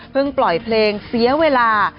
เพิ่งปล่อยเพลงเสียเวลา